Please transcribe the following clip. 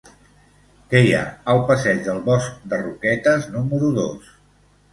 Què hi ha al passeig del Bosc de Roquetes número dos?